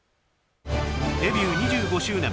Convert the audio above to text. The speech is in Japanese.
デビュー２５周年